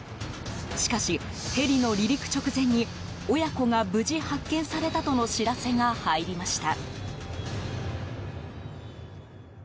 しかし、ヘリの離陸直前に親子が無事発見されたとの知らせが入りました。